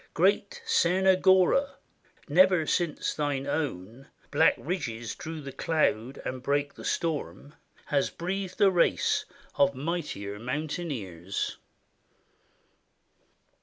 Great Tsernogora ! never since thine own Black ridges drew the cloud and brake the storm Has breathed a race of mightier mountaineers.